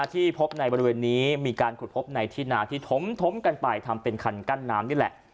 ที่พบในบริเวณนี้มีการขุดพบในที่นาที่ถมกันไปทำเป็นคันกั้นน้ำนี่แหละ